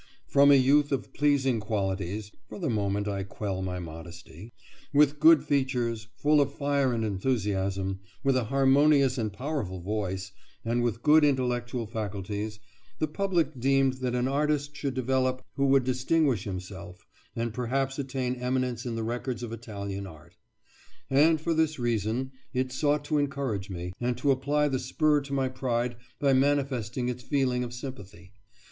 From a youth of pleasing qualities (for the moment I quell my modesty), with good features, full of fire and enthusiasm, with a harmonious and powerful voice, and with good intellectual faculties, the public deemed that an artist should develop who would distinguish himself, and perhaps attain eminence in the records of Italian art; and for this reason it sought to encourage me, and to apply the spur to my pride by manifesting its feeling of sympathy.